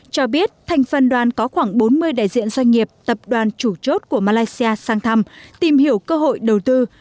cho biết thành phần đoàn có khoảng bốn mươi đại diện doanh nghiệp tập đoàn chủ chốt của malaysia sang thăm tìm hiểu cơ hội đầu tư